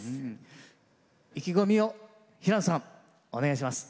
意気込みを平野さんお願いします。